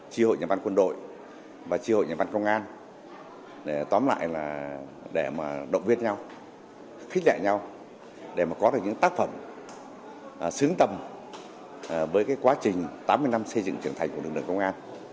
chi hội nhà văn quân đội và chi hội nhà văn công an tóm lại là để động viên nhau khích lệ nhau để có được những tác phẩm xứng tầm với quá trình tám mươi năm xây dựng trưởng thành của lực lượng công an